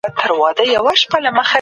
په ښوونځي زدهکوونکي د ادب زده کوي.